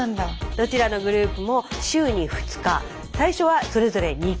どちらのグループも週に２日最初はそれぞれ２回これを行い